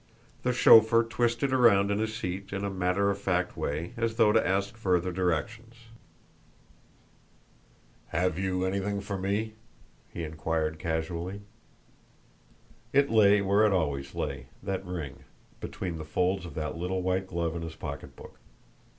The chauffeur twisted around in his seat in a matter of fact way, as though to ask further directions. "Have you anything for me?" he inquired casually. It lay where it always lay, that ring, between the folds of that little white glove in his pocketbook.